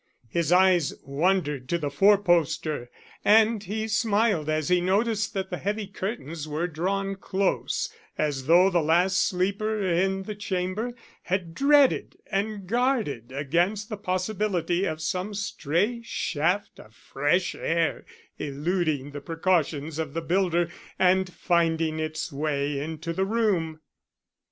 His eyes wandered to the fourposter, and he smiled as he noticed that the heavy curtains were drawn close, as though the last sleeper in the chamber had dreaded and guarded against the possibility of some stray shaft of fresh air eluding the precautions of the builder and finding its way into the room.